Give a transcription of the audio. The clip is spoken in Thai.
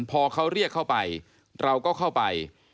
พอเขาเรียกเข้าไปเราก็เข้าไป